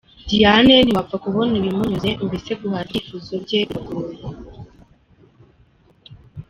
Diane ntiwapfa kubona ibimunyuze, mbese guhaza ibyifuzo bye biragoye.